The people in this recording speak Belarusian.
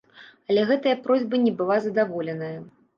Але гэтая просьба не была задаволеная.